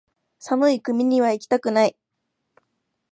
寒い国にはいきたくない